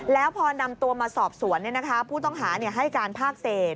แล้วพอนำตัวมาสอบสวนผู้ต้องหาให้การภาคเศษ